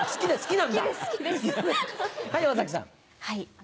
はい。